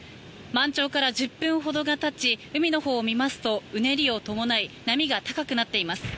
満潮から１０分ほどが経ち海のほうを見ますとうねりを伴い波が高くなっています。